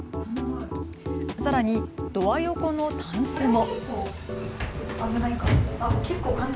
さらにドア横のたんすも。